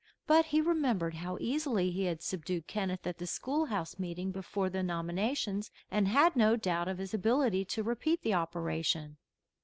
But he remembered how easily he had subdued Kenneth at the school house meeting before the nominations, and had no doubt of his ability to repeat the operation.